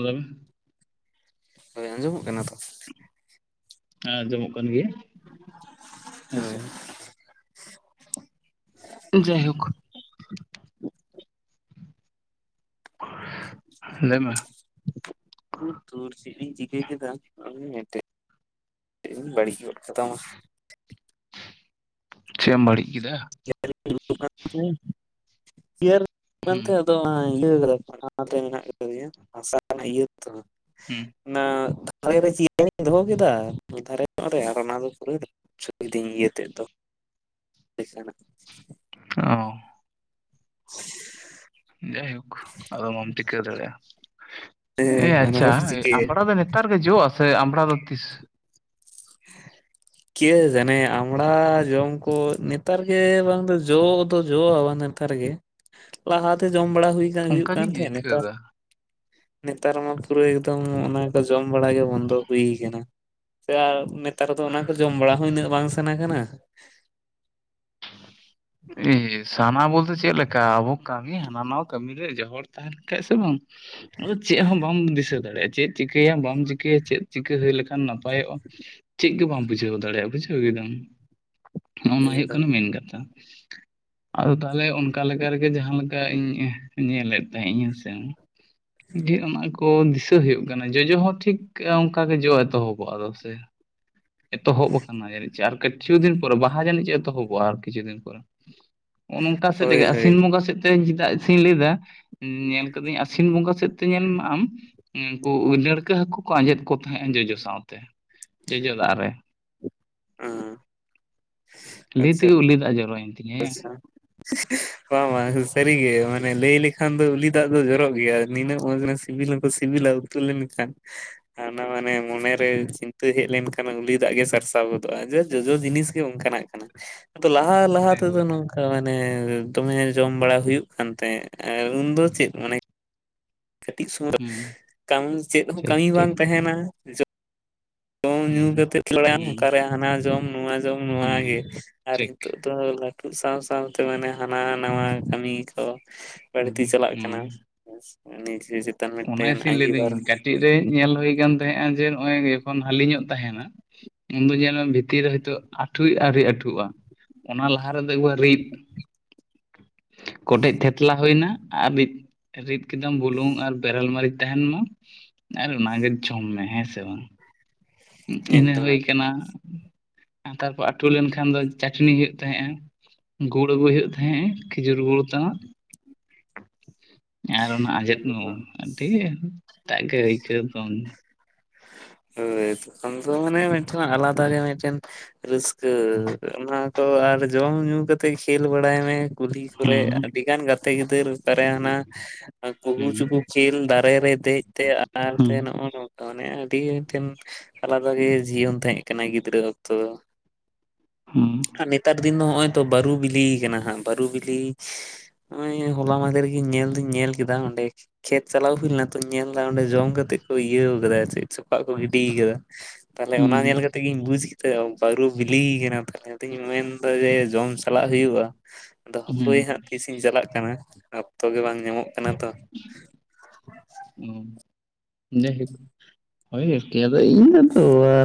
ᱞᱟᱹᱭᱢᱮ ᱦᱳᱭ ᱟᱸᱡᱚᱢᱚᱜ ᱠᱟᱱᱟ ᱛᱚ? ᱦᱮ ᱟᱡᱚᱢᱚᱜ ᱠᱟᱱ ᱜᱮᱭᱟ᱾ ᱟᱪᱪᱷᱟ ᱦᱮᱸ ᱡᱟᱭ ᱦᱳᱠ ᱞᱟᱹᱭ ᱢᱮ ᱥᱩᱨ ᱫᱩᱨ ᱪᱮᱫ ᱤᱧ ᱪᱤᱠᱟᱹ ᱠᱮᱫᱟ ᱩᱱᱤ ᱢᱤᱜᱴᱮᱜ ᱢᱤᱫ ᱴᱮᱱ ᱵᱟᱹᱲᱤᱡ ᱜᱚᱫ ᱠᱟᱫᱟ ᱢᱟ᱾ ᱪᱮᱫ ᱮᱢ ᱵᱟᱹᱲᱤᱡ ᱠᱮᱫᱟ? [unintelligible] ᱦᱩᱸ ᱠᱟᱱᱛᱮ ᱟᱫᱚ ᱦᱟ ᱤᱭᱟᱹ [unintelligible] ᱦᱟᱥᱟ ᱤᱭᱟᱹ ᱛᱚ᱾ ᱦᱩ [unintelligible] ᱚᱱᱟ ᱫᱚ ᱯᱩᱨᱟ ᱥᱩᱵᱤᱫᱟᱧ ᱤᱭᱟᱹᱛᱮ ᱫᱚ ᱴᱮᱠᱟ ᱱᱟᱜ ᱚ ᱡᱟᱭᱦᱩᱠ ᱟᱫᱚ ᱢᱟ ᱪᱤᱠᱟᱹ ᱫᱟᱲᱮᱭᱟ ᱦᱮᱸ ᱮ ᱚᱱᱟ ᱟᱪᱪᱷᱟ ᱫᱚᱢ ᱪᱤᱠᱟᱹᱭᱟ᱾ ᱟᱢᱲᱟ ᱫᱚ ᱱᱮᱛᱟᱨ ᱜᱮ ᱡᱚᱜᱼᱟ ᱥᱮ ᱟᱢᱲᱟ ᱫᱚ ᱛᱤᱥ ᱠᱮ ᱡᱟᱱᱮ ᱟᱢᱲᱟ ᱡᱚᱢ ᱠᱚ ᱱᱮᱛᱟᱨ ᱜᱮ ᱵᱟᱝ ᱫᱚ ᱡᱚ ᱫᱚ ᱡᱚᱼᱟ ᱵᱟᱝ ᱠᱟᱨᱮᱜᱮ ᱞᱟᱦᱟ ᱛᱮ ᱡᱚᱢ ᱵᱟᱲᱟ ᱦᱩᱭ ᱦᱩᱭᱩᱜ ᱠᱟᱱ ᱚᱱᱠᱟᱜᱤᱧ ᱛᱟᱦᱮᱸᱫ ᱱᱮᱛᱟᱨ ᱟᱹᱭᱠᱟᱹᱣᱫᱟ ᱱᱮᱛᱟᱨ ᱢᱟ ᱯᱩᱨᱟᱹ ᱮᱠᱫᱚᱢ ᱚᱱᱟ ᱠᱚ ᱡᱚᱢ ᱵᱟᱲᱟ ᱜᱮ ᱵᱚᱱᱫᱚ ᱦᱩᱭ ᱠᱟᱱᱟ ᱥᱮ ᱟᱨ ᱱᱮᱛᱟᱨ ᱫᱚ ᱚᱱᱟ ᱠᱚ ᱡᱚᱢ ᱵᱟᱲᱟ ᱦᱚᱸ ᱩᱱᱟᱹᱜ ᱵᱟᱝ ᱥᱟᱱᱟ ᱠᱟᱱᱟ [inaudible] ᱮ ᱥᱟᱱᱟ ᱵᱚᱞᱛᱮ ᱪᱮᱜ ᱞᱮᱠᱟ ᱟᱵᱚ ᱠᱟᱹᱢᱤ ᱦᱟᱱᱟ ᱱᱟ ᱠᱟᱹᱢᱤ ᱨᱮ ᱡᱚᱦᱚᱲ ᱛᱟᱦᱮᱱ ᱠᱷᱟᱡ ᱥᱮ ᱵᱚᱱ ᱟᱫᱚ ᱪᱮᱜ ᱦᱚᱸ ᱵᱟᱢ ᱫᱤᱥᱟᱹ ᱫᱟᱲᱮᱭᱟᱜᱼᱟ ᱪᱮᱫ ᱪᱤᱠᱟᱹᱭᱟᱢ ᱵᱟᱢ ᱪᱤᱠᱟᱹᱭᱟ ᱪᱮᱫ ᱪᱤᱠᱟᱹ ᱦᱩᱭ ᱞᱮᱠᱷᱟᱱ ᱱᱟᱯᱟᱭᱚᱜᱼᱟ ᱪᱮᱜ ᱜᱮ ᱵᱟᱢ ᱵᱩᱡᱷᱟᱹᱣ ᱫᱟᱲᱮᱭᱟᱜᱼᱟ ᱵᱩᱡᱷᱟᱹᱣ ᱠᱮᱫᱟᱢ ᱦᱚᱜ ᱱᱟ ᱦᱳᱭᱳᱜ ᱮᱠᱫᱚᱢ ᱠᱟᱱᱟ ᱢᱮᱱ ᱠᱟᱛᱷᱟ᱾ ᱟᱫᱚ ᱛᱟᱦᱚᱞᱮ ᱚᱱᱠᱟ ᱞᱮᱠᱟ ᱨᱮᱜᱮ ᱡᱟᱦᱟᱸ ᱞᱮᱠᱟ ᱤᱧ ᱧᱮᱞᱮᱫ ᱛᱟᱦᱮᱱᱤᱧ ᱦᱮᱸᱥᱮ ᱡᱮᱜ ᱟᱢᱟᱜ ᱠᱚ ᱫᱤᱥᱟᱹ ᱦᱩᱭᱩᱜ ᱠᱟᱱᱟ ᱡᱚᱡᱚ ᱦᱚᱸ ᱴᱷᱤᱠ ᱚᱝᱠᱟ ᱜᱮ ᱡᱚ ᱮᱛᱚᱦᱚᱵᱚᱜᱼᱟ ᱫᱚ ᱥᱮ ᱮᱛᱚᱦᱚᱵ ᱠᱟᱱᱟ ᱡᱟᱹᱱᱤᱡ ᱪᱚ ᱟᱨ ᱠᱤᱪᱷᱩ ᱫᱤᱱ ᱯᱚᱨᱮ ᱵᱟᱦᱟ ᱡᱟᱹᱱᱤᱡ ᱪᱚ ᱮᱛᱚᱦᱚᱵᱚᱜ ᱟᱨ ᱠᱤᱪᱷᱩ ᱫᱤᱱ ᱯᱚᱨᱮ ᱚᱱᱚᱝᱠᱟ ᱥᱮᱫ ᱦᱳᱭ ᱛᱮᱜᱮ ᱦᱳᱭ ᱟᱥᱤᱱ ᱵᱚᱸᱜᱟ ᱥᱮᱫ ᱛᱮ ᱛᱮ ᱪᱮᱫᱟᱜ ᱥᱮᱧ ᱞᱟᱹᱭᱟ ᱧᱮᱞ ᱟᱠᱟᱫᱟᱹᱧ ᱟᱥᱤᱱ ᱵᱚᱸᱜᱟ ᱥᱮᱫ ᱛᱮ ᱧᱮᱞ ᱢᱮ ᱟᱢ ᱩᱱᱠᱩ ᱰᱟᱹᱲᱠᱟᱹ ᱦᱟᱹᱠᱩ ᱠᱚ ᱟᱸᱡᱮᱫ ᱠᱚ ᱛᱟᱦᱮᱸᱱᱟ ᱡᱚᱡᱚ ᱥᱟᱶᱛᱮ ᱡᱚᱡᱚ ᱫᱟᱜ ᱨᱮ᱾ ᱚ ᱞᱟᱹᱭ ᱛᱮᱜᱮ ᱩᱞᱤ ᱫᱟ ᱡᱚᱨᱚᱭᱮᱱ ᱛᱤᱧᱭᱟ᱾ [inaudible] [unintelligible] ᱵᱟᱝ ᱵᱟᱝ ᱥᱟᱹᱨᱤᱜᱮ ᱢᱟᱱᱮ ᱞᱟᱹᱭ ᱞᱮᱠᱷᱟᱱ ᱫᱚ ᱩᱞᱤ ᱫᱟᱜ ᱫᱚ ᱡᱚᱨᱚᱜ ᱜᱮᱭᱟ ᱱᱤᱱᱟᱹᱜ ᱢᱚᱡ ᱱᱟᱥᱮ ᱥᱤᱵᱤᱞ ᱦᱚᱸᱠᱚ ᱥᱤᱵᱤᱞᱟ ᱩᱛᱩ ᱞᱮᱱᱠᱷᱟᱱ ᱚᱱᱟ ᱢᱟᱱᱮ ᱢᱚᱱᱮᱨᱮ ᱦᱮᱸ ᱪᱤᱱ ᱛᱟᱹ ᱦᱮᱡ ᱞᱮᱱᱠᱷᱟᱱ ᱩᱞᱤ ᱫᱟᱜ ᱜᱮ ᱥᱟᱨᱥᱟᱣ ᱜᱚᱫᱚᱜᱼᱟ ᱡᱮ ᱡᱚᱡᱚ ᱡᱤᱱᱤᱥ ᱜᱮ ᱚᱱᱠᱟᱱᱟᱜ ᱠᱟᱱᱟ ᱟᱫᱚ ᱞᱟᱦᱟ ᱞᱟ ᱛᱟᱹᱜ ᱫᱚ ᱮᱠᱵᱟᱨᱮ ᱱᱚᱝᱠᱟ ᱢᱟᱱᱮ ᱫᱚᱢᱮ ᱡᱚᱢ ᱵᱟᱲᱟ ᱦᱩᱭᱩᱜ ᱠᱟᱱ ᱛᱟᱦᱮᱸ ᱟᱨ ᱩᱱᱫᱚ ᱪᱮᱫ ᱢᱟᱱᱮ ᱠᱟᱹᱴᱤᱡ ᱥᱚᱢᱚᱭ ᱦᱩᱸ ᱪᱮᱜ ᱦᱚᱸ ᱴᱷᱤᱠ ᱠᱟᱹᱢᱤ ᱴᱷᱤᱠ ᱵᱟᱝ ᱛᱟᱦᱮᱱᱟ ᱡᱚ ᱡᱚᱢ ᱧᱩ ᱦᱩᱸ ᱠᱟᱛᱮᱟᱭᱟᱢ ᱦᱩᱸ ᱚᱠᱟᱨᱮ ᱦᱟᱱᱟ ᱡᱚᱢ ᱱᱚᱣᱟ ᱡᱚᱢ ᱱᱚᱣᱟ ᱦᱩᱸ ᱜᱮ ᱟᱨ ᱴᱷᱤᱠ ᱦᱤᱛᱳᱜ ᱛᱚ ᱞᱟᱹᱴᱩ ᱥᱟᱶ ᱥᱟᱶᱛᱮ ᱢᱟᱱᱮ ᱦᱟᱱᱟ ᱱᱟᱣᱟ ᱠᱟᱹᱢᱤ ᱠᱚ ᱦᱩᱸ ᱵᱟᱹᱲᱛᱤ ᱪᱟᱞᱟᱜ ᱠᱟᱱᱟ ᱦᱩᱸ [unintelligible] ᱚᱱᱟ ᱜᱮᱥᱮᱧ ᱞᱟᱹᱭᱫᱟᱹᱧ ᱟᱸᱜᱤᱵᱷᱟᱨ ᱠᱟᱹᱴᱤᱜ ᱨᱮ ᱧᱮᱞ ᱦᱳᱭ ᱠᱟᱱ ᱛᱟᱦᱮᱜᱼᱟ ᱡᱮ ᱱᱚᱜᱼᱚᱭ ᱡᱚᱠᱷᱚᱱ ᱦᱟᱹᱞᱤ ᱧᱚᱜ ᱛᱟᱦᱮᱱᱟ ᱩᱱ ᱫᱚ ᱧᱮᱞ ᱢᱮ ᱵᱷᱤᱛᱤᱨ ᱨᱮ ᱦᱚᱭᱛᱚ ᱟᱴᱷᱩᱭ ᱟᱹᱣᱨᱤ ᱟᱴᱷᱩᱜᱼᱟ᱾ ᱚᱱᱟ ᱞᱟᱦᱟ ᱨᱮᱫᱚ ᱮᱠᱵᱟᱨ ᱨᱤᱫᱽ᱾ ᱠᱚᱴᱮᱡ ᱛᱷᱮᱛᱞᱟ ᱦᱳᱭᱱᱟ ᱟᱨ ᱨᱤᱫᱽ-ᱨᱤᱫᱽ ᱠᱮᱫᱟᱢ ᱵᱩᱞᱩᱝ ᱟᱨ ᱵᱮᱨᱮᱞ ᱢᱟᱹᱨᱤᱪ ᱛᱟᱦᱮᱱ ᱢᱟ ᱟᱨ ᱚᱱᱟᱜᱮ ᱡᱚᱢ ᱢᱮ ᱦᱮᱸ ᱥᱮ ᱵᱟᱝ ᱤᱱᱟᱹ ᱮᱠᱫᱚᱢ ᱦᱳᱭ ᱠᱟᱱᱟ ᱛᱟᱨᱯᱚᱨ ᱟᱹᱴᱩ ᱞᱮᱱᱠᱷᱟᱱ ᱫᱚ ᱪᱟᱹᱴᱱᱤ ᱦᱳᱭᱳᱜ ᱛᱟᱦᱮᱸᱜᱼᱟ᱾ ᱜᱩᱲ ᱟᱹᱜᱩᱭ ᱦᱩᱭᱩᱜ ᱛᱟᱦᱮᱸᱜ ᱠᱷᱤᱡᱩᱨ ᱜᱩᱲ ᱛᱟᱱᱟᱜ [inaudible] ᱟᱨ ᱚᱱᱟ ᱟᱡᱸᱮᱫ ᱢᱚᱸ ᱮᱠᱫᱚᱢ ᱟᱹᱰᱤ ᱮᱴᱟᱜ ᱜᱮ ᱟᱹᱭᱠᱟᱹᱣ ᱫᱚᱝ ᱦᱳᱭ ᱛᱚᱠᱷᱚᱱ ᱫᱚ ᱢᱟᱱᱮ ᱢᱤᱫᱴᱮᱱ ᱟᱞᱟᱫᱟ ᱜᱮ ᱢᱤᱫᱴᱮᱱ ᱨᱟᱹᱥ ᱠᱟᱹ ᱚᱱᱟ ᱠᱚ ᱟᱨ ᱡᱚᱢ ᱧᱩ ᱠᱟᱛ ᱛᱮ ᱠᱷᱮᱞ ᱵᱟᱲᱟᱭ ᱢᱮ, ᱠᱩᱞᱦᱤ ᱠᱚᱨᱮ ᱦᱩᱸ ᱟᱹᱰᱤ ᱜᱟᱱ ᱜᱟᱛᱮ ᱜᱤᱫᱟᱹᱨ ᱯᱟᱨᱮ ᱦᱟᱱᱟ ᱟᱨ ᱦᱩᱸ ᱠᱩᱦᱩᱪᱩᱠᱩ ᱠᱷᱮᱞ ᱫᱟᱨᱮ ᱨᱮ ᱫᱮᱡ ᱛᱮ ᱟᱨ ᱛᱮ ᱦᱩᱸ ᱱᱚᱜᱼᱚᱭ ᱱᱚᱝᱠᱟ ᱢᱟᱱᱮ ᱟᱹᱰᱤ ᱴᱷᱮᱱ ᱟᱞᱟᱫᱟ ᱜᱮ ᱡᱤᱭᱚᱱ ᱛᱟᱦᱮᱸᱜ ᱠᱟᱱᱟ ᱜᱤᱫᱽᱨᱟᱹ ᱚᱠᱛᱚ ᱫᱚ᱾ ᱦᱩᱸ ᱟᱨ ᱱᱮᱛᱟᱨ ᱫᱤᱱ ᱫᱚ ᱱᱚᱜᱼᱚᱭ ᱛᱚ ᱵᱟᱹᱨᱩ ᱵᱤᱞᱤ ᱠᱟᱱᱟ ᱦᱟᱸᱜ ᱵᱟᱹᱨᱩ ᱵᱤᱞᱤ ᱱᱚᱜᱼᱚᱭ ᱦᱚᱞᱟ ᱢᱟᱫᱷᱮᱨᱚᱜ ᱧᱮᱞ ᱫᱩᱧ ᱧᱮᱞ ᱠᱮᱫᱟ ᱚᱸᱰᱮ ᱠᱷᱮᱛ ᱪᱟᱞᱟᱣ ᱦᱩᱭ ᱞᱮᱱᱟ ᱛᱚ ᱧᱮᱞ ᱫᱟ ᱚᱸᱰᱮ ᱡᱚᱢ ᱠᱟᱛᱮᱜ ᱠᱚ ᱤᱭᱟᱹ ᱠᱟᱫᱟ ᱪᱮᱜ ᱪᱚᱠᱟᱜ ᱠᱚ ᱜᱤᱰᱤ ᱠᱟᱫᱟ᱾ ᱛᱟᱦᱚᱞᱮ ᱚᱱᱟ ᱧᱮᱞ ᱠᱟᱛᱮᱜ ᱜᱧ ᱵᱩᱡ ᱛᱮ ᱵᱟᱹᱨᱩ ᱵᱤᱞᱤᱭ ᱠᱟᱱᱟ ᱛᱟᱦᱚᱞᱮ ᱟᱫᱚᱧ ᱢᱮᱱᱫᱟ ᱡᱮ ᱡᱚᱢ ᱪᱟᱞᱟᱜ ᱦᱩᱭᱩᱜᱼᱟ᱾ ᱟᱫᱚ ᱦᱟᱯᱩᱭ ᱦᱟᱸᱜ ᱛᱤᱥᱤᱧ ᱪᱟᱞᱟᱜ ᱠᱟᱱᱟ, ᱚᱠᱛᱚ ᱜᱮ ᱵᱟᱝ ᱧᱟᱢᱚᱜ ᱠᱟᱱᱟ ᱛᱚ ᱚ ᱡᱟᱭ ᱦᱳᱠ ᱦᱳᱭ ᱟᱫᱚ ᱤᱧ ᱫᱚᱛᱚ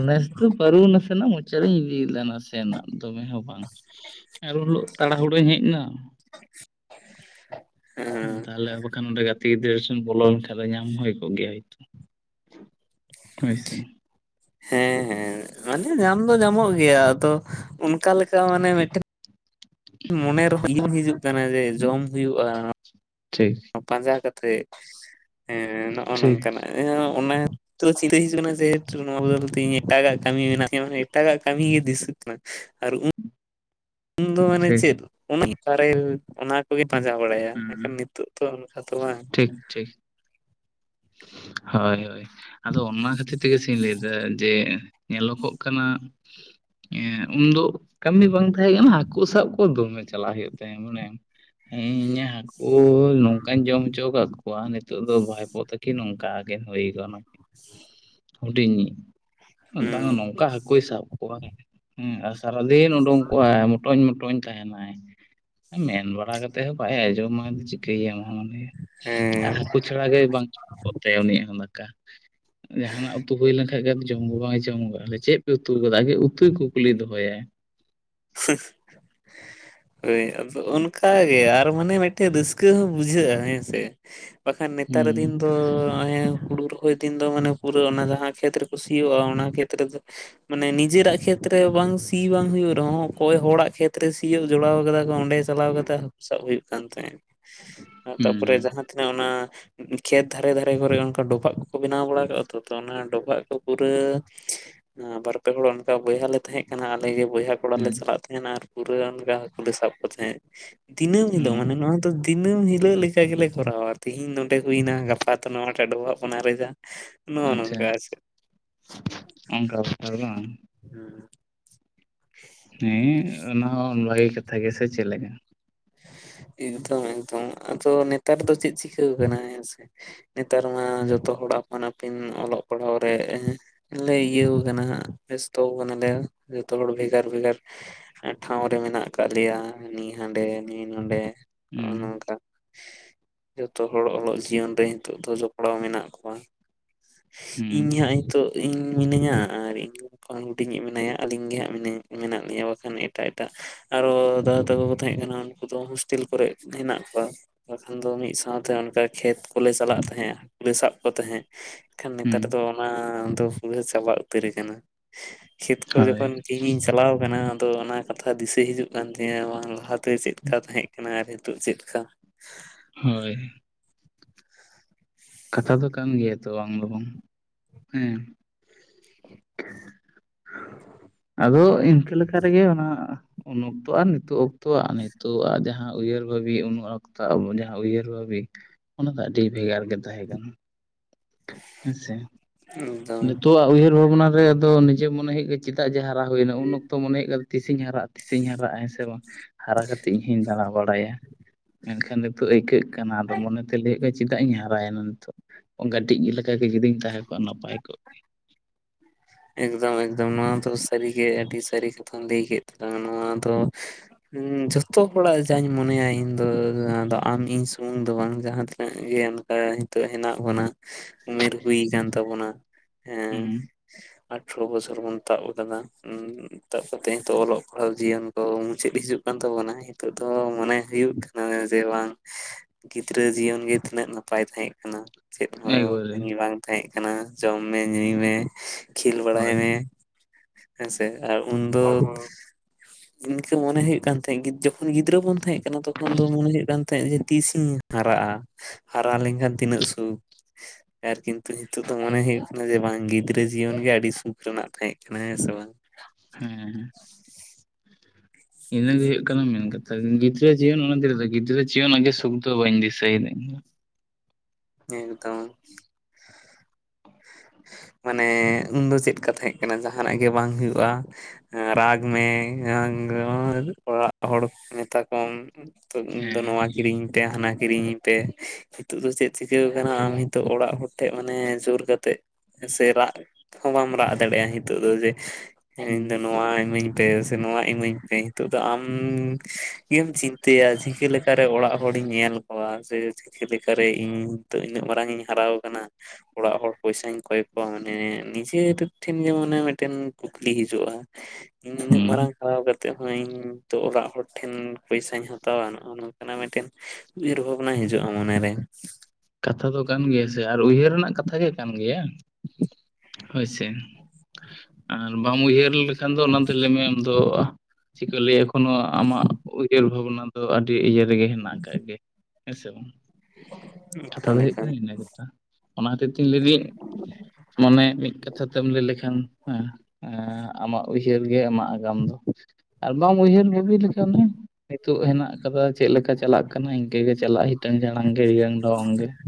ᱱᱮᱥ ᱫᱚ ᱵᱟᱹᱨᱩ ᱱᱟᱥᱮᱱᱟᱜ ᱢᱚᱪᱟᱨᱤᱧ ᱤᱫᱤ ᱞᱮᱫᱟ ᱱᱟᱥᱮᱱᱟᱜ ᱫᱚ ᱢᱮ ᱦᱚᱸ ᱵᱟᱝ ᱟᱨ ᱩᱱ ᱦᱩᱞᱳ ᱜ ᱛᱟᱲᱟᱦᱩᱲᱟᱹᱧ ᱦᱮᱡ ᱱᱟ᱾ ᱦᱮᱸ ᱛᱟᱦᱚᱞᱮ ᱵᱟᱠᱷᱟᱱ ᱚᱸᱰᱮ ᱜᱟᱛᱮ ᱜᱤᱫᱽᱨᱟᱹ ᱥᱮᱱ ᱵᱚᱞᱚ ᱞᱮᱱᱠᱷᱟᱱ ᱫᱚ ᱧᱟᱢ ᱦᱩᱭ ᱠᱚᱜ ᱜᱮᱭᱟ ᱦᱚᱭ ᱛᱚ᱾ ᱦᱳᱭᱥᱮ ᱦᱮᱸ ᱦᱮᱸ ᱢᱟᱱᱮ ᱧᱟᱢ ᱫᱚ ᱧᱟᱢᱚᱜ ᱜᱮᱭᱟ ᱟᱫᱚ ᱚᱱᱠᱟ ᱞᱮᱠᱟ ᱢᱟᱱᱮ ᱢᱮᱜᱴᱮ [inaudible] ᱢᱚᱱᱮ ᱨᱮᱦᱚᱸ ᱦᱤᱡᱩᱜ ᱠᱟᱱᱟ ᱡᱮ ᱡᱚᱢ ᱦᱩᱭᱩᱜᱼᱟ᱾ ᱴᱷᱤᱠ ᱯᱟᱸᱡᱟ ᱠᱟᱛᱮᱜ ᱮᱸ ᱱᱚᱜᱼᱚ ᱴᱷᱤᱠ ᱱᱚᱝᱠᱟᱱᱟᱜ ᱮᱸ ᱚᱱᱟ [unintelligible] ᱦᱤᱡᱩᱜ ᱠᱟᱱᱟ ᱡᱮᱦᱟᱹᱴ ᱱᱚᱣᱟ ᱵᱚᱫᱚᱞ ᱛᱮ ᱤᱧ ᱮᱴᱟᱜᱟᱜ ᱠᱟᱹᱢᱤ ᱢᱮᱱᱟᱜᱛᱤᱧᱟ ᱢᱟᱱᱮ ᱮᱴᱟᱜᱟᱜ ᱠᱟᱹᱢᱤ ᱜᱮ ᱫᱤᱥᱟᱹᱜ ᱠᱟᱱᱟ᱾ ᱟᱨ ᱩᱱ ᱩᱱᱫᱚ ᱢᱟᱱᱮ ᱴᱷᱤᱠ ᱪᱮᱫ ᱚᱱᱟ ᱠᱟᱨᱮᱞ ᱚᱱᱟ ᱠᱚᱜᱮ ᱯᱟᱸᱡᱟ ᱵᱟᱲᱟᱭᱟ ᱮᱱᱠᱷᱟᱱ ᱦᱩᱸ ᱱᱤᱛᱚᱜ ᱛᱚ ᱚᱱᱠᱟ ᱫᱚ ᱵᱟᱝ᱾ ᱴᱷᱤᱠ ᱴᱷᱤᱠ ᱦᱳᱭ ᱦᱳᱭ ᱟᱫᱚ ᱚᱱᱟ ᱠᱷᱟᱹᱛᱤᱨ ᱛᱮᱜᱮᱥᱮᱧ ᱞᱟᱹᱭᱫᱟ ᱡᱮ ᱧᱮᱞᱚᱜᱚᱜ ᱠᱟᱱᱟ ᱮᱸ ᱩᱱᱫᱚ ᱠᱟᱹᱢᱤ ᱵᱟᱝ ᱛᱟᱦᱮᱸ ᱠᱟᱱᱟ ᱦᱟᱹᱠᱩ ᱥᱟᱵ ᱠᱚ ᱫᱚᱢᱮ ᱪᱟᱞᱟᱜ ᱦᱩᱭᱩᱜ ᱛᱟᱭᱟ ᱢᱚᱱᱮ ᱦᱮᱸ ᱤᱧᱟᱜ ᱦᱟᱹᱠᱩ ᱱᱚᱝᱠᱟᱧ ᱡᱚᱢ ᱚᱪᱚ ᱠᱟᱜ ᱠᱚᱣᱟ ᱱᱤᱛᱚᱜ ᱫᱚ ᱵᱷᱟᱭᱯᱚ ᱛᱟ ᱠᱤ ᱱᱚᱝᱠᱟ ᱠᱤ ᱦᱩᱭ ᱜᱚᱱᱚ ᱦᱩᱰᱤᱧᱤᱡ ᱫᱟᱝ ᱦᱩᱸ ᱱᱚᱝᱠᱟ ᱦᱟᱹᱠᱩᱭ ᱥᱟᱵ ᱠᱚᱣᱟ ᱦᱮᱸ ᱟᱥ ᱥᱟᱨᱟᱫᱤᱱ ᱩᱰᱩᱝ ᱠᱚᱜᱼᱟᱭ ᱢᱚᱴᱚᱧ ᱢᱚᱴᱚᱧ ᱛᱟᱦᱮᱱᱟᱭ ᱢᱮᱱ ᱵᱟᱲᱟ ᱠᱟᱛᱮᱜ ᱦᱚᱸ ᱵᱟᱭ ᱟᱸ ᱡᱚᱢᱟᱭ ᱪᱤᱠᱟᱹᱭᱮᱟᱢ ᱦᱚᱸ ᱢᱟᱱᱮ ᱟᱨ ᱦᱮᱸ ᱦᱟᱹᱠᱩ ᱪᱷᱟᱲᱟ ᱜᱮ ᱵᱟᱝ ᱠᱚᱜ ᱛᱟᱭ ᱩᱱᱤᱭ ᱦᱚᱸ ᱫᱟᱠᱟ--ᱱ ᱡᱟᱦᱟᱱᱟᱜ ᱩᱛᱩ ᱦᱩᱭ ᱞᱮᱱᱠᱟᱱᱡ ᱜᱮ ᱡᱚᱢ ᱜᱮ ᱵᱟᱝ ᱡᱚᱢ ᱠᱟᱜᱼᱟ ᱟ ᱪᱮᱜ ᱯᱮ ᱩᱛᱩᱣ ᱟᱜᱼᱟ ᱟᱜᱮ ᱩᱛᱩᱭ ᱠᱩᱠᱞᱤ ᱫᱚᱦᱚᱭᱟ᱾ [inaudible] ᱦᱳᱭ ᱟᱫᱚ ᱚᱱᱠᱟᱜ ᱜᱮ ᱟᱨ ᱢᱟᱱᱮ ᱢᱤᱫᱴᱮᱱ ᱨᱟᱹᱥᱠᱟᱹ ᱦᱚᱸ ᱵᱩᱡᱷᱟᱹᱜᱼᱟ ᱦᱮᱸ ᱥᱮ᱾ ᱵᱟᱠᱷᱟᱱ ᱱᱮᱛᱟᱨ ᱫᱤᱱ ᱦᱩᱸ ᱫᱚ ᱦᱚᱸᱜᱼᱚᱭ ᱦᱩᱲᱩ ᱨᱚ ᱦᱚᱭ ᱫᱤᱱ ᱫᱚ ᱢᱟᱱᱮ ᱯᱩᱨᱟᱹ ᱚᱱᱟ ᱡᱟᱦᱟᱸ ᱠᱷᱮᱛ ᱨᱮᱠᱚ ᱥᱤᱭᱚᱜᱼᱟ ᱚᱱᱟ ᱠᱷᱮᱛ ᱨᱮᱫᱚ ᱢᱟᱱᱮ ᱱᱤᱡᱮᱨᱟᱜ ᱠᱷᱮᱛᱨᱮ ᱵᱟᱝ ᱥᱤ ᱵᱟᱝ ᱦᱩᱭᱩᱜ ᱨᱮᱦᱚᱸ ᱚᱠᱚᱭ ᱦᱚᱲᱟᱜ ᱠᱷᱮᱛ ᱨᱮ ᱥᱤᱭᱳᱜ ᱡᱚᱲᱟᱣ ᱠᱟᱫᱟ ᱠᱚ ᱚᱸᱰᱮ ᱪᱟᱞᱟᱣ ᱠᱟᱛᱮᱜ ᱦᱟᱹᱠᱩ ᱥᱟᱵ ᱦᱩᱭᱩᱜ ᱠᱟᱱ ᱛᱟᱦᱮᱸᱜ᱾ ᱛᱟ ᱯᱚᱨᱮ ᱦᱩᱸ ᱡᱟᱦᱟᱸᱛᱤᱱᱟᱹᱜ ᱚᱱᱟ ᱠᱷᱮᱛ ᱫᱷᱟᱨᱮ ᱫᱷᱟᱨᱮ ᱠᱚᱨᱮ ᱚᱱᱠᱟ ᱰᱚᱵᱷᱟᱜ ᱠᱚᱠᱚ ᱵᱮᱱᱟᱣ ᱵᱟᱲᱟ ᱠᱟᱜᱼᱟ ᱛᱚ ᱛᱚ ᱚᱱᱟ ᱰᱚᱵᱷᱟᱜ ᱠᱚ ᱯᱩᱨᱟᱹ ᱟᱸ ᱵᱟᱨ ᱯᱮ ᱦᱚᱲ ᱚᱱᱠᱟ ᱵᱚᱭᱦᱟ ᱞᱮ ᱛᱟᱦᱮᱸᱠᱟᱱᱟ ᱟᱞᱮ ᱜᱮ ᱵᱚᱭᱦᱟ ᱠᱚᱲᱟ ᱞᱮ ᱦᱩᱸ ᱪᱟᱞᱟᱜ ᱛᱟᱦᱮᱸᱱᱟ ᱟᱨ ᱯᱩᱨᱟᱹ ᱚᱱᱠᱟ ᱦᱟᱹᱠᱩᱩᱞᱮ ᱥᱟᱵ ᱠᱚ ᱛᱟᱦᱮᱸᱫ ᱫᱤᱱᱟᱹᱢ ᱦᱤᱞᱳᱜ ᱦᱩᱸ ᱢᱟᱱᱮ ᱱᱚᱣᱟ ᱛᱚ ᱫᱤᱱᱟᱹᱢ ᱦᱤᱞᱳᱜ ᱞᱮᱠᱟ ᱜᱮᱞᱮ ᱠᱚᱨᱟᱣᱟ ᱛᱤᱦᱤᱧ ᱱᱚᱸᱰᱮ ᱦᱩᱭᱱᱟ ᱜᱟᱯᱟ ᱛᱚ ᱱᱚᱣᱟ ᱴᱟᱜ ᱰᱚᱵᱣᱟᱜ ᱵᱚᱱ ᱟᱨᱮᱡᱟ᱾ [inaudible] ᱟᱪᱪᱷᱟ ᱱᱚᱝᱠᱟ ᱟᱨ ᱪᱮᱫ ᱚᱱᱠᱟᱷᱟ ᱵᱮᱯᱟᱨ ᱵᱟᱝ᱾ ᱦᱮᱸ ᱦᱮᱸ ᱚᱱᱟ ᱦᱚᱸ ᱵᱷᱟᱜᱤ ᱠᱟᱛᱷᱟ ᱜᱮ ᱥᱮ ᱪᱮᱜ ᱞᱮᱠᱟ? ᱮᱠᱫᱚᱢ ᱮᱠᱫᱚᱢ ᱟᱫᱚ ᱱᱮᱛᱟᱨ ᱫᱚ ᱪᱮᱜ ᱪᱤᱠᱟᱹᱣ ᱠᱟᱱᱟ ᱦᱮᱸᱥᱮ᱾ ᱱᱮᱛᱟᱨ ᱢᱟ ᱡᱚᱛᱚ ᱦᱚᱲ ᱟᱯᱟᱱ ᱟᱹᱯᱤᱱ ᱚᱞᱚᱜ ᱯᱟᱲᱦᱟᱣ ᱨᱮ ᱮᱸ ᱞᱮ ᱤᱭᱟᱹᱣ ᱠᱟᱱᱟ ᱦᱟᱸᱜ ᱵᱮᱥᱛᱚᱣ ᱠᱟᱱᱟᱞᱮ ᱡᱚᱛᱚ‌ ᱦᱚᱲ ᱵᱷᱮᱜᱟᱨ ᱵᱷᱮᱜᱟᱨ ᱴᱷᱟᱶ ᱨᱮ ᱢᱮᱱᱟᱜ ᱟᱠᱟᱜ ᱞᱮᱭᱟ ᱦᱟᱱᱤ ᱦᱟᱸᱰᱮ ᱱᱤ ᱱᱚᱸᱰᱮ ᱱᱚᱜᱼᱚ ᱦᱩᱸ ᱱᱚᱝᱠᱟ᱾ ᱡᱚᱛᱚ ᱦᱚᱲ ᱚᱞᱚᱜ ᱡᱤᱭᱚᱱ ᱨᱮ ᱱᱤᱛᱳᱜ ᱫᱚ ᱡᱚᱯᱲᱟᱣ ᱢᱮᱱᱟᱜ ᱠᱚᱣᱟ᱾ ᱤᱧ ᱦᱩᱸ ᱦᱟᱸᱜ ᱦᱤᱛᱚᱜᱜ ᱤᱧ ᱢᱤᱱᱟᱹᱧᱟ ᱟᱨ ᱤᱧ ᱠᱷᱚᱱ ᱦᱩᱰᱤᱧᱤᱡ ᱢᱮᱱᱟᱭᱟ ᱟᱹᱞᱤᱧ ᱜᱮ ᱦᱟᱸᱜ ᱢᱱᱟᱹ ᱢᱮᱱᱟᱜ ᱞᱤᱧᱟ ᱵᱟᱠᱷᱟᱱ ᱮᱴᱟᱜ ᱮᱴᱟᱜ ᱟᱨᱚ ᱫᱟᱫᱟ ᱛᱟᱠᱚ ᱠᱚ ᱛᱟᱦᱮᱸᱜ ᱠᱟᱱᱟ ᱩᱱᱠᱩ ᱫᱚ ᱦᱳᱥᱴᱤᱞ ᱠᱚᱨᱮᱜ ᱦᱮᱸᱱᱟᱜ ᱠᱚᱣᱟ᱾ ᱵᱟᱠᱷᱟᱱ ᱫᱚ ᱢᱤᱜ ᱥᱟᱶᱛᱮ ᱚᱱᱠᱟ ᱠᱷᱮᱛ ᱠᱚᱞᱮ ᱪᱟᱞᱟᱜ ᱛᱟᱦᱮᱸᱜᱼᱟ, ᱠᱩᱞᱮ ᱥᱟᱵ ᱠᱚ ᱛᱟᱦᱮᱸᱜ᱾ ᱤᱠᱷᱟᱸᱱ ᱦᱩᱸ ᱱᱮᱛᱟᱨ ᱫᱚ ᱚᱱᱟ ᱫᱚ ᱯᱩᱨᱟᱹ ᱪᱟᱵᱟ ᱩᱛᱟᱹᱨ ᱟᱠᱟᱱᱟ᱾ ᱠᱷᱮᱛ ᱠᱚ ᱦᱳᱭ ᱡᱚᱠᱷᱚᱱ ᱤᱧᱤᱧ ᱪᱟᱞᱟᱣ ᱟᱠᱟᱱᱟ, ᱟᱫᱚ ᱚᱱᱟ ᱠᱟᱛᱷᱟ ᱫᱤᱥᱟᱹ ᱦᱤᱡᱩᱜ ᱠᱟᱱ ᱛᱤᱧᱟᱹ ᱵᱟᱝ ᱞᱟᱦᱟᱛᱮ ᱪᱮᱫᱽ ᱠᱟ ᱛᱟᱦᱮᱸᱜ ᱠᱟᱱᱟ ᱟᱨ ᱱᱤᱛᱚᱜ ᱪᱮᱫ ᱞᱮᱠᱟ? ᱦᱳᱭ ᱠᱟᱛᱷᱟ ᱫᱚ ᱠᱟᱱ ᱜᱮᱭᱟ, ᱛᱚ ᱟᱢ ᱫᱚ ᱵᱟᱝ ᱦᱮᱸ [inaudible] ᱟᱫᱚ! ᱤᱱᱠᱟᱹ ᱞᱮᱠᱟ ᱨᱮᱜᱮ ᱚᱱᱟᱜ᱾ ᱩᱱ ᱚᱠᱛᱚ ᱟᱨ ᱱᱤᱛᱚᱜ ᱚᱠᱛᱚᱣᱟᱜ, ᱱᱤᱛᱚᱜᱼᱟᱜ ᱡᱟᱦᱟᱸ ᱩᱭᱦᱟᱹᱨ ᱵᱷᱟᱹᱵᱤ, ᱩᱱ ᱚᱠᱛᱚ ᱡᱟᱦᱟᱸ ᱩᱭᱦᱟᱹᱨ ᱵᱷᱟᱹᱵᱤ ᱚᱱᱟ ᱫᱚ ᱟᱹᱰᱤ ᱵᱷᱮᱜᱟᱨ ᱜᱮ ᱛᱟᱦᱮᱸ ᱠᱟᱱ ᱦᱮᱸᱥᱮ! ᱮᱠᱫᱚᱢ ᱱᱤᱛᱚᱜ ᱟᱜ ᱩᱭᱦᱟᱹᱨ ᱵᱷᱟᱵᱽᱱᱟ ᱨᱮ ᱟᱫᱚ ᱱᱤᱡᱟᱹ ᱢᱚᱱᱮ ᱦᱩᱭᱩᱜ ᱠᱟᱱ ᱪᱮᱫᱟᱜ ᱡᱮ ᱦᱟᱯ ᱦᱟᱨᱟ ᱦᱩᱭᱮᱱᱟ ᱩᱱ ᱚᱠᱛᱚ ᱢᱚᱱᱮ ᱦᱩᱭᱩᱜ ᱠᱟᱱ, ᱛᱤᱥᱤᱧ ᱦᱟᱨᱟᱜᱼᱟᱼᱛᱤᱥᱤᱧ ᱦᱟᱨᱟᱜᱼᱟ ᱦᱮᱸᱥᱮ ᱵᱟᱝ? ᱦᱟᱨᱟ ᱠᱟᱛᱮᱜ ᱤᱧ ᱦᱚᱧ ᱫᱟᱬᱟ ᱵᱟᱲᱟᱭᱟ, ᱢᱮᱱᱠᱷᱟᱱ ᱱᱤᱛᱚᱜ ᱟᱹᱭᱠᱟᱹᱜ ᱠᱟᱱᱟ ᱟᱫᱚ ᱢᱚᱱᱮ ᱛᱮ ᱞᱟᱹᱭᱩᱹᱜ ᱠᱟᱱ ᱪᱮᱜ ᱪᱮᱫᱟᱜ ᱤᱧ ᱦᱟᱨᱟᱭᱮᱱᱟ ᱱᱤᱛᱚᱜ ᱚᱸᱠᱟᱹᱴᱤᱡ ᱞᱮᱠᱟ ᱜᱮ ᱡᱩᱫᱤᱧ ᱛᱟᱦᱮᱸ ᱠᱚᱜᱼᱟ ᱱᱟᱯᱟᱭ [inaudible] ᱮᱠᱫᱚᱢ ᱮᱠᱫᱚᱢ ᱱᱚᱣᱟ ᱫᱚ ᱥᱟᱹᱨᱤᱜᱮ ᱟᱹᱰᱤ ᱥᱟᱹᱨᱤ ᱠᱟᱛᱷᱟᱢ ᱞᱟᱹᱭ ᱠᱮᱫ ᱛᱟᱞᱟᱝᱟ ᱱᱚᱣᱟ ᱫᱚ ᱦᱩᱸ ᱡᱚᱛᱚ ᱦᱚᱲᱟᱜ ᱡᱟᱸᱧ ᱢᱚᱱᱮᱭᱟ ᱤᱧ ᱫᱚᱻ ᱟᱫᱚ ᱟᱢ ᱤᱧ ᱥᱩᱢᱩᱝ ᱫᱚ ᱵᱟᱝ ᱡᱟᱦᱟᱸ ᱛᱤᱱᱟᱹᱜ ᱜᱮ ᱚᱱ ᱦᱚᱭ ᱱᱤᱛᱚᱜ ᱦᱮᱱᱟᱜ ᱵᱚᱱᱟ ᱩᱢᱮᱨ ᱦᱩᱭ ᱟᱠᱟᱱ ᱛᱟᱵᱚᱱᱟᱻ ᱦᱮᱸ᱾ ᱦᱩᱸ ᱟᱴᱷᱨᱚ ᱵᱚᱪᱷᱚᱨ ᱵᱚᱱ ᱛᱟᱵ ᱟᱠᱟᱫᱟ ᱩᱸᱜ ᱛᱟᱵ ᱠᱟᱛᱮᱜ ᱱᱤᱛᱚᱜ ᱚᱞᱚᱜ ᱯᱟᱲᱦᱟᱣ ᱡᱤᱭᱚᱱ ᱠᱚ ᱢᱩᱪᱟᱹᱫ ᱦᱤᱡᱩᱜ ᱠᱟᱱ ᱛᱟᱵᱚᱱᱟᱭ ᱱᱤᱛᱚᱜ ᱫᱚ ᱢᱚᱱᱮ ᱦᱩᱭᱩᱜ ᱠᱟᱱᱟ ᱡᱮ ᱵᱟᱝ? ᱜᱤᱫᱽᱨᱟᱹ ᱡᱤᱭᱚᱱ ᱜᱮ ᱛᱤᱱᱟᱹᱜ ᱱᱟᱯᱟᱭ ᱛᱟᱦᱮᱸ ᱠᱟᱱᱟ᱾ ᱪᱮᱫ ᱦᱚᱸ ᱮᱠᱵᱟᱨᱮ ᱠᱟᱹᱢᱤ ᱵᱟᱝ ᱛᱟᱦᱮᱸ ᱠᱟᱱᱟ ᱡᱚᱢ ᱢᱮ ᱧᱩᱭ ᱢᱮ᱾ ᱠᱷᱮᱞ ᱵᱟᱲᱟᱭ ᱦᱳᱭ ᱢᱮ! ᱦᱮᱸᱥᱮ ᱟᱨ ᱩᱱᱫᱚ ᱤᱱᱠᱟᱹ ᱢᱚᱱᱮ ᱦᱩᱭᱩᱜ ᱠᱟᱱ ᱛᱟᱦᱮᱸᱜ ᱡᱳᱠᱷᱳᱱ ᱜᱤᱫᱽᱨᱟᱹ ᱵᱚᱱ ᱛᱟᱦᱮᱸ ᱠᱟᱱᱟ ᱛᱚᱠᱷᱚᱱ ᱫᱚ ᱢᱩᱱ ᱦᱩᱭᱩᱜ ᱠᱟᱱ ᱛᱟᱦᱮᱸᱜ ᱡᱮ, ᱛᱤᱥᱤᱧ ᱦᱟᱨᱟᱜᱼᱟ ᱾ ᱦᱟᱨᱟ ᱞᱮᱱᱠᱷᱟᱱ ᱛᱤᱱᱟᱹᱜ ᱥᱩᱠ ᱦᱮᱸ ᱟᱨ ᱠᱤᱱᱛᱩ ᱱᱤᱛᱚᱜ ᱫᱚ ᱢᱚᱱᱮ ᱦᱩᱭᱩᱜ ᱠᱟᱱᱟ ᱡᱮ ᱵᱟᱝ ᱜᱤᱫᱽᱨᱟᱹᱡᱽ ᱡᱤᱭᱚᱱ ᱜᱮ ᱟᱹᱰᱤ ᱥᱩᱠ ᱨᱮᱱᱟᱜ ᱛᱟᱦᱮᱸᱜ ᱠᱟᱱᱟ ᱦᱮᱸ ᱥᱮ ᱵᱟᱝ? ᱦᱮᱸ ᱤᱱᱟᱹ ᱜᱮ ᱦᱩᱭᱩᱜ ᱚᱸᱠᱟᱢᱮᱱ ᱠᱟᱛᱷᱟ, ᱜᱤᱫᱽᱨᱟᱹ ᱡᱤᱭᱚᱱ ᱚᱱᱟᱛᱮ, ᱜᱤᱫᱽᱨᱟᱹ ᱡᱤᱭᱚᱱ ᱟᱜ ᱜᱮ ᱥᱩᱠᱷ ᱫᱚ ᱵᱟᱸᱧ ᱫᱤᱥᱟᱹ ᱮᱫᱟ ᱤᱧ ᱫᱚ᱾ ᱮᱠᱫᱚᱢ [inaudible] ᱢᱟᱱᱮ ᱩᱱ ᱫᱚ ᱪᱮᱫ ᱠᱟ ᱛᱟᱦᱮᱸ ᱠᱟᱱᱟ ᱡᱟᱦᱟᱸᱱᱟᱜ ᱜᱮ ᱵᱟᱝ ᱦᱩᱭᱩᱜᱼᱟ? ᱨᱟᱜᱽ ᱢᱮ [unintelligible] ᱚᱲᱟᱜ ᱦᱚᱲ ᱢᱮᱛᱟ ᱠᱚᱢ ᱛᱚ ᱤᱧᱫᱚ ᱦᱮᱸ ᱱᱚᱣᱟ ᱠᱤᱨᱤᱧᱤᱧ ᱯᱮ, ᱦᱟᱱᱟ ᱠᱤᱨᱤᱧᱤᱧ ᱯᱮ ᱱᱤᱛᱩᱜ ᱫᱚ ᱪᱮᱫ? ᱪᱤᱠᱟᱹᱣᱟᱠᱟᱱᱟ ᱟᱢ ᱱᱤᱛᱚᱜ ᱚᱲᱟᱜ ᱦᱚᱲ ᱴᱷᱮᱡ ᱢᱟᱱᱮ ᱡᱩᱨ ᱠᱟᱛᱮᱜ, ᱥᱮ ᱨᱟᱜ ᱦᱚᱸ ᱵᱟᱢ ᱨᱟᱜ ᱫᱟᱲᱮᱭᱟᱜᱼᱟ, ᱱᱤᱛᱚᱜ ᱫᱚ, ᱡᱮ ᱦᱩᱸ ᱤᱧᱫᱚ ᱱᱚᱣᱟ ᱤᱢᱟᱹᱧ ᱛᱮ ᱥᱮ ᱱᱚᱣᱟ ᱤᱢᱟᱹᱧ ᱯᱮ, ᱱᱤᱛᱚᱜ ᱫᱚ ᱟᱢ ᱜᱮᱢ ᱪᱤᱸᱛᱟᱹᱭᱟ, ᱪᱤᱠᱟᱹ ᱞᱮᱠᱟᱨᱮ ᱚᱲᱟᱜ ᱦᱚᱲᱤᱧ ᱧᱮᱞ ᱠᱳᱣᱟ ᱥᱮ ᱪᱤᱠᱟᱹ ᱞᱮᱠᱟᱨᱮ? ᱤᱸᱧ ᱱᱤᱛᱚᱜ ᱤᱱᱟᱹᱜ ᱢᱟᱨᱟᱝ ᱤᱧ ᱦᱟᱨᱟᱣ ᱣᱟᱠᱟᱱᱟ, ᱚᱲᱟᱜ ᱦᱚᱲ ᱯᱚᱭᱥᱟᱧ ᱠᱚᱭ ᱠᱚᱣᱟ ᱢᱟᱱᱮ ᱱᱤᱡᱮ ᱴᱮᱫ ᱴᱷᱮᱸᱱ ᱡᱮ ᱢᱚᱱᱮ ᱢᱤᱫᱴᱮᱱ ᱠᱩᱠᱞᱤ ᱦᱤᱡᱩᱜᱼᱟ ᱤᱧ ᱱᱤᱱᱟᱹᱜ ᱦᱩᱸ ᱢᱟᱨᱟᱝ ᱦᱟᱨᱟᱣ ᱠᱟᱛᱮᱜ ᱦᱚᱸ ᱤᱧ ᱱᱤᱻᱛᱚᱜ ᱚᱲᱟᱜ ᱦᱚᱲ ᱴᱷᱮᱱ ᱯᱚᱭᱥᱟᱧ ᱦᱟᱛᱟᱣᱟ ᱱᱚᱜᱼᱱᱚ ᱠᱟᱱᱟ ᱢᱤᱫᱴᱮᱱ ᱩᱭᱦᱟᱹᱨ ᱵᱷᱟᱵᱽᱱᱟ ᱦᱤᱡᱩᱜᱼᱟ ᱢᱚᱱᱮᱨᱮ ᱠᱟᱛᱷᱟ ᱫᱚ ᱠᱟᱱ ᱜᱮᱭᱟ ᱥᱮ, ᱟᱨ ᱩᱭᱦᱟᱹᱨ ᱨᱮᱱᱟᱜ ᱠᱟᱛᱷᱟ ᱜᱮ ᱠᱟᱱ ᱜᱮᱭᱟ, ᱦᱳᱭᱥᱮ?? ᱟᱨ ᱵᱟᱢ ᱩᱭᱦᱟᱹᱨ ᱞᱮᱠᱷᱟᱱ ᱫᱚ ᱚᱱᱟᱫᱚ ᱞᱟᱹᱭ ᱢᱮ ᱟᱢᱫᱚ ᱪᱤᱠᱟᱹ ᱞᱟᱹᱭᱟᱠᱚ ᱱᱚᱣᱟ ᱟᱢᱟᱜ ᱩᱭᱦᱟᱹᱨ ᱵᱷᱟᱵᱽᱱᱟ ᱫᱚ, ᱟᱹᱰᱤ ᱤᱭᱟᱹ ᱨᱮᱜᱮ ᱦᱮᱱᱟᱜ ᱟᱠᱟᱜ ᱜᱮ᱾ ᱦᱮᱸᱥᱮ ᱵᱟᱝ? ᱚᱱᱠᱟ ᱠᱟᱛᱷᱟ ᱫᱚ ᱦᱩᱭᱩᱜ ᱞᱮᱠᱟ ᱠᱟᱱᱟ ᱤᱱᱟᱹ ᱜᱮᱛᱚ, ᱚᱱᱟ ᱠᱷᱟᱹᱛᱤᱨ ᱛᱤᱧ ᱞᱟᱹᱭ ᱫᱤᱸᱡ ᱢᱚᱱᱮ ᱢᱤᱫ ᱠᱟᱛᱷᱟ ᱛᱮᱢ ᱞᱟᱹᱭ ᱞᱮᱠᱷᱟᱱ ᱦᱮᱸ, ᱦᱮᱸ ᱟᱢᱟᱜ ᱩᱭᱦᱟᱹᱨ ᱜᱮ ᱟᱢᱟᱜ ᱟᱜᱟᱢ ᱫᱚ, ᱟᱨ ᱵᱟᱢ ᱩᱭᱦᱟᱹᱨ ᱵᱷᱟᱹᱵᱤ ᱞᱮᱠᱷᱟᱱᱮᱢ ᱱᱤᱛᱚᱜ ᱦᱮᱱᱟᱜ ᱟᱠᱟᱫᱟ ᱪᱮᱫ ᱞᱮᱠᱟ ᱪᱟᱞᱟᱜ ᱠᱟᱱᱟ, ᱤᱸᱠᱟᱹ ᱜᱮ ᱪᱟᱞᱟᱜᱼᱟ, ᱦᱤᱴᱟᱝ ᱡᱟᱲᱟᱝ ᱜᱮ ᱦᱤᱭᱚᱝ ᱰᱷᱳᱝ ᱜᱮ ᱾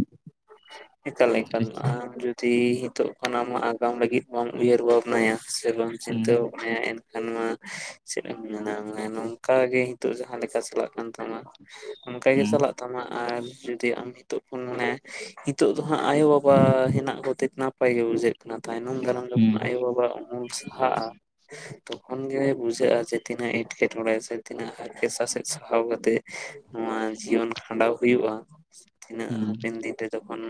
ᱮᱠᱟᱞ ᱮᱠᱟᱞ [unintelligible] ᱛᱤ ᱱᱤᱛᱚᱜ ᱠᱷᱚᱱ ᱟᱢᱟᱜ ᱟᱜᱟᱢ ᱞᱟᱹᱜᱤᱫ ᱵᱟᱝ ᱩᱭᱦᱟᱹᱨ ᱵᱷᱟᱵᱽᱱᱟᱭᱟ ᱥᱮ ᱵᱟᱝ ᱦᱩᱸ ᱪᱤᱱᱛᱟᱹ ᱵᱷᱟᱵᱽᱱᱟᱭᱟ ᱮᱱᱠᱷᱟᱱ ᱠᱷᱟᱱ ᱢᱟ ᱪᱮᱫ ᱮᱢ ᱢᱮᱱᱟ ᱱᱚᱝᱠᱟᱜ ᱜᱮ ᱱᱤᱛᱚᱜ ᱡᱟᱦᱟᱸ ᱞᱮᱠᱟ ᱪᱟᱞᱟᱜ ᱠᱟᱱ ᱛᱟᱢᱟ ᱚᱱᱠᱟ ᱜᱮ ᱦᱩᱸ ᱪᱟᱞᱟᱜ ᱛᱟᱢᱟ ᱟᱨ ᱡᱩᱫᱤ ᱟᱢ ᱱᱤᱛᱚᱜ ᱠᱷᱚᱱ ᱢᱟᱱᱮ ᱱᱤᱛᱚᱜ ᱫᱚ ᱦᱟᱸᱜ ᱟᱭᱳᱼᱵᱟᱵᱟ ᱦᱮᱱᱟᱜ ᱠᱚᱛᱮ ᱱᱟᱯᱟᱭ ᱜᱮ ᱵᱩᱡᱷᱟᱹᱜ ᱚᱱᱟ ᱛᱟᱭᱱᱚᱢ ᱫᱟᱨᱟᱢ ᱡᱚᱠᱷᱚᱱ ᱦᱩᱸ ᱟᱭᱳᱼᱵᱟᱵᱟᱣᱟᱜ ᱩᱢᱩᱞ ᱥᱟᱦᱟᱜᱼᱟ ᱛᱚᱠᱷᱚᱱ ᱜᱮ ᱵᱩᱡᱷᱟᱹᱜᱼᱟ ᱡᱮ ᱛᱤᱱᱟᱹᱜ ᱮᱸᱴᱠᱮᱴᱚᱬᱮ ᱥᱮ ᱛᱤᱱᱟᱹᱜ ᱦᱟᱨᱠᱮᱛ ᱥᱟᱥᱮᱫ ᱥᱟᱦᱟᱣ ᱠᱟᱛᱮ ᱱᱚᱣᱟ ᱡᱤᱭᱚᱱ ᱠᱷᱟᱸᱰᱟᱣ ᱦᱩᱭᱩᱜᱼᱟ ᱛᱤᱱᱟᱹᱜ ᱦᱩᱸ ᱦᱟᱯᱮᱱ ᱫᱤᱱᱨᱮ ᱡᱚᱠᱷᱚᱱ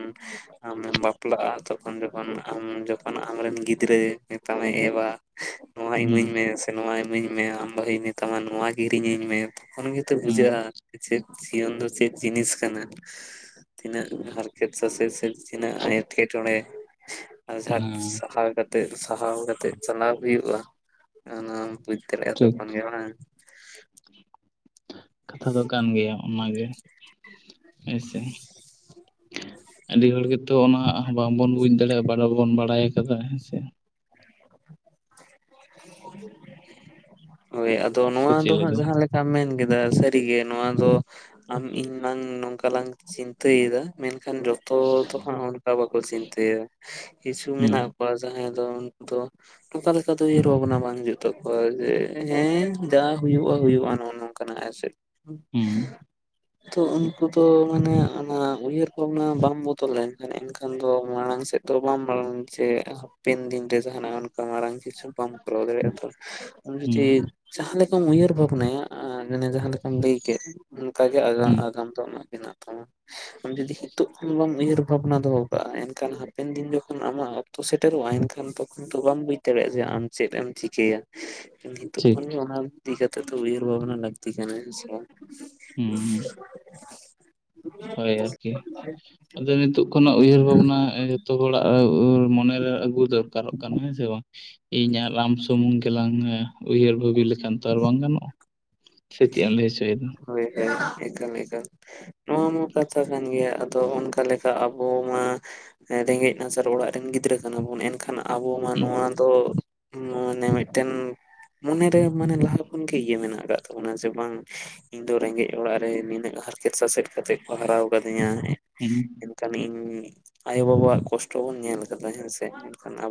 ᱟᱢᱮᱢ ᱵᱟᱯᱞᱟᱜᱼᱟ ᱛᱚᱠᱷᱚᱱ ᱡᱚᱠᱷᱚᱱ ᱟᱢ ᱡᱚᱠᱷᱚᱱ ᱟᱢᱨᱮᱱ ᱜᱤᱫᱽᱨᱟᱹ ᱢᱮᱛᱟᱢᱟᱭ ᱮ-ᱵᱟ ᱱᱚᱣᱟ ᱤᱢᱟᱹᱧ ᱦᱩᱸ ᱢᱮ ᱥᱮ ᱱᱚᱣᱟ ᱤᱢᱟᱹᱧ ᱢᱮ ᱟᱢ ᱵᱟᱦᱩᱭ ᱢᱮᱛᱟᱢᱟ ᱱᱚᱣᱟ ᱠᱤᱨᱤᱧ ᱤᱧ ᱢᱮ ᱛᱚᱠᱷᱚᱱ ᱜᱮᱛᱚ ᱦᱩᱸ ᱵᱩᱡᱷᱟᱹᱜᱼᱟ ᱪᱮᱫ ᱡᱤᱭᱚᱱ ᱫᱚ ᱪᱮᱫ ᱡᱤᱱᱤᱥ ᱠᱟᱱᱟ ᱛᱤᱱᱟᱹᱜ ᱦᱟᱨᱠᱮᱛ ᱥᱟᱥᱮᱛ ᱥᱮ ᱛᱤᱱᱟᱹᱜ ᱮᱴᱠᱮᱴᱚᱬᱮ ᱟᱡᱷᱟᱴ ᱦᱮᱸ ᱥᱟᱦᱟᱣ ᱠᱟᱛᱮ ᱠᱟᱛᱮ ᱥᱟᱦᱟᱣ ᱠᱟᱛᱮᱜ ᱪᱟᱞᱟᱣ ᱦᱩᱭᱩᱜᱼᱟ ᱚᱱᱟᱢ ᱵᱩᱡ ᱫᱟᱲᱮᱭᱟᱜᱼᱟ ᱴᱷᱤᱠ ᱛᱚᱠᱷᱚᱱ ᱜᱮ [unintelligible] ᱠᱟᱛᱷᱟ ᱫᱚ ᱠᱟᱱ ᱜᱮᱭᱟ ᱚᱱᱟᱜᱮ [unintelligible] ᱟᱹᱰᱤ ᱦᱚᱲ ᱜᱮᱛᱚ ᱚᱱᱟ ᱵᱟᱝᱵᱚᱱ ᱵᱩᱡᱽ ᱫᱟᱲᱮᱭᱟᱜᱼᱟ ᱵᱟ ᱵᱚᱱ ᱵᱟᱲᱟᱭ ᱟᱠᱟᱫᱟ ᱦᱮᱸ ᱥᱮ ᱦᱳᱭ ᱟᱫᱚ ᱥᱮ ᱱᱚᱣᱟ ᱪᱮᱫ ᱫᱚ ᱦᱟᱸᱜ ᱞᱮᱠᱟ ᱡᱟᱦᱟᱸᱞᱮᱠᱟ ᱡᱟᱦᱟᱢ ᱢᱮᱱ ᱠᱮᱫᱟ ᱥᱟᱹᱨᱤᱜᱮ ᱱᱚᱣᱟ ᱫᱚ ᱟᱢ ᱤᱧ ᱱᱟᱝ ᱱᱚᱝᱠᱟ ᱚᱱᱠᱟᱞᱟᱝ ᱪᱤᱱᱛᱟᱹᱭᱮᱫᱟ ᱢᱮᱱᱠᱷᱟᱱ ᱡᱚᱛᱚ ᱫᱚᱦᱸ ᱦᱟᱜ ᱚᱱᱠᱟ ᱵᱟᱠᱚ ᱪᱤᱱᱛᱟᱹᱭᱟ ᱠᱤᱪᱷᱩ ᱦᱩᱸ ᱢᱮᱱᱟᱜ ᱠᱚᱣᱟ ᱡᱟᱦᱟᱸᱭ ᱫᱚ ᱩᱱᱠᱩ ᱫᱚ ᱚᱱᱠᱟ ᱞᱮᱠᱟ ᱛᱳ ᱩᱭᱦᱚᱹᱨ ᱵᱷᱟᱵᱱᱟ ᱵᱟᱝ ᱦᱩᱭᱩᱜ ᱛᱟᱠᱚᱣᱟ ᱡᱮ ᱦᱮᱸ ᱡᱟ ᱦᱩᱭᱩᱜᱼᱟ ᱦᱩᱭᱩᱜᱼᱟ ᱱᱚᱜᱼᱚ ᱱᱚᱝᱠᱟᱱᱟᱜ ᱦᱮᱥᱮ ᱦᱩᱸ [unintelligible] ᱛᱚ ᱩᱱᱠᱩ ᱫᱚ ᱢᱟᱱᱮ ᱚᱱᱟ ᱩᱭᱦᱟᱹᱨ ᱵᱷᱟᱵᱽᱱᱟ ᱵᱟᱝ ᱵᱚᱛᱚᱚᱷᱞ ᱞᱮᱱᱠᱷᱟᱱ ᱮᱱᱠᱷᱟᱱ ᱫᱚ ᱢᱟᱲᱟᱝ ᱥᱮᱫ ᱛᱚ ᱵᱟᱢ ᱵᱟᱲᱟᱝ ᱡᱮ ᱦᱟᱯᱮᱱ ᱫᱤᱱ ᱨᱮ ᱡᱟᱦᱱᱟᱜ ᱚᱱᱠᱟ ᱢᱟᱨᱟᱝ ᱠᱤᱪᱷᱩ ᱵᱟᱢ ᱠᱚᱨᱟᱣ ᱫᱟᱲᱮᱭᱟᱜᱼᱟ ᱛᱚ [unintelligible] ᱦᱩᱸ ᱪᱮᱫ ᱡᱟᱦᱟᱸ ᱞᱮᱠᱟᱢ ᱩᱭᱦᱟᱹᱨ ᱵᱷᱟᱵᱱᱟᱭᱟ ᱢᱟᱱᱮ ᱡᱟᱦᱟᱸ ᱞᱮᱠᱟ ᱟᱢ ᱞᱟᱹᱭ ᱠᱮᱫ ᱚᱱᱠᱟᱜ ᱜᱮ ᱟ ᱦᱩᱸ ᱟᱜᱟᱢ ᱫᱚ ᱟᱢᱟᱜ ᱢᱮᱱᱟᱜ ᱛᱟᱢᱟ ᱟᱢ ᱡᱩᱫᱤ ᱱᱤᱛᱚᱜ ᱠᱷᱚᱱ ᱵᱟᱢ ᱩᱭᱦᱟᱹᱨ ᱵᱷᱟᱵᱽᱱᱟ ᱫᱚᱦᱚ ᱠᱟᱜᱼᱟ ᱮᱱᱠᱷᱟᱱ ᱦᱟᱯᱮᱱ ᱫᱤᱱ ᱡᱚᱠᱷᱚᱱ ᱟᱢᱟᱜ ᱚᱠᱛᱚ ᱥᱮᱴᱮᱨᱚᱜᱼᱟ ᱮᱱᱠᱷᱟᱱ ᱛᱚᱠᱷᱚᱱ ᱫᱚ ᱵᱟᱢ ᱵᱩᱡ ᱫᱟᱲᱮᱭᱟᱜᱼᱟ ᱡᱮ ᱟᱱ ᱪᱮᱫ ᱮᱢ ᱪᱤᱠᱟᱹᱭᱟ ᱱᱤᱛᱚᱜ ᱴᱷᱤᱠ ᱠᱷᱚᱱ ᱚᱱᱟ ᱤᱫᱤ ᱠᱟᱛᱮ ᱛᱚ ᱩᱭᱟᱹᱨ ᱵᱷᱟᱵᱽᱱᱟ ᱞᱟᱠᱛᱤ ᱠᱟᱱᱟᱟᱱ ᱦᱮ ᱥᱮ ᱵᱟᱝ ᱦᱩᱸ [unintelligible] ᱦᱳᱭ ᱟᱨᱠᱤ ᱟᱫᱚ ᱱᱤᱛᱚᱜᱜ ᱠᱷᱚᱱᱟᱜ ᱩᱭᱦᱟᱹᱨ ᱵᱷᱟᱵᱽᱱᱟ ᱡᱚᱛᱚ ᱦᱚᱲᱟᱜ ᱢᱚᱱᱮᱨᱮ ᱟᱹᱜᱩ ᱫᱚᱨᱠᱟᱨᱚᱜ ᱠᱟᱱᱟ ᱦᱮᱸ ᱥᱮ ᱵᱟᱝ ᱤᱧ ᱟᱨ ᱟᱢ ᱥᱩᱢᱩᱝ ᱜᱮᱞᱟᱝ ᱩᱭᱦᱟᱹᱨ ᱵᱟᱹᱵᱤ ᱞᱮᱠᱷᱟᱱ ᱛᱚ ᱟᱨ ᱵᱟᱝ ᱜᱟᱱᱚᱜᱼᱟ ᱥᱮ ᱪᱮᱫ ᱮᱢ ᱞᱹᱭ ᱦᱚᱪᱚᱭ ᱫᱚ ᱦᱳᱭ ᱦᱮᱸ ᱮᱠᱟᱞ ᱮᱠᱟᱞ ᱱᱚᱣᱟ ᱢᱟ ᱠᱟᱛᱷᱟ ᱠᱟᱱ ᱜᱮᱭᱟ ᱟᱫᱚ ᱚᱱᱠᱟ ᱞᱮᱠᱟ ᱟᱵᱚ ᱢᱟ ᱨᱮᱸᱜᱮᱡ ᱱᱟᱪᱟᱨ ᱚᱲᱟᱜ ᱨᱮᱱ ᱜᱤᱫᱽᱨᱟᱹ ᱠᱟᱱᱟ ᱵᱚᱱ ᱮᱱᱠᱷᱟᱱ ᱟᱵᱚ ᱢᱟ ᱦᱩᱸ ᱱᱚᱣᱟ ᱫᱚ ᱢᱟᱱᱮ ᱢᱤᱫᱴᱮᱱ ᱢᱚᱱᱮ ᱨᱮ ᱢᱟᱱᱮ ᱞᱟᱦᱟ ᱠᱷᱚᱱ ᱜᱮ ᱤᱭᱟᱹ ᱢᱮᱱᱟᱜ ᱟᱠᱟᱫ ᱛ ᱚᱱᱟ ᱥᱮᱵᱟᱝ ᱤᱧ ᱫᱚ ᱨᱮᱸᱜᱮᱡ ᱚᱲᱟᱜ ᱨᱮ ᱱᱤᱱᱟᱹᱜ ᱦᱟᱨᱠᱮᱛ ᱥᱟᱥᱮᱫ ᱠᱟᱛᱮ ᱠᱚ ᱦᱟᱨᱟᱣ ᱠᱟᱹᱫᱤᱧᱟ [unintelligible] ᱠᱷᱟᱱ ᱤᱧ ᱟᱭᱳᱼᱵᱟᱵᱟᱣᱟᱜ ᱠᱚᱥᱴᱚ ᱵᱚᱱ ᱧᱮᱞ ᱠᱟᱫᱟ ᱦᱮᱸ ᱥᱮ ᱢᱮᱱᱠᱷᱟᱱ ᱟᱵᱚ